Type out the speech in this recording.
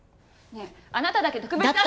ねえあなただけ特別扱いは。